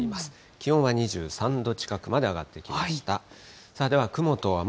気温は２３度近くまで上がってきました。